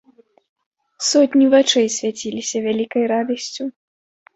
Сотні вачэй свяціліся вялікай радасцю.